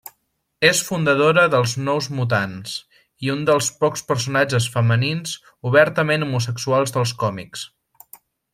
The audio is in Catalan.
És fundadora dels Nous Mutants, i un dels pocs personatges femenins obertament homosexual dels còmics.